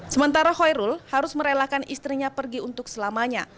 sementara hoirul harus merelakan istrinya pergi untuk selamanya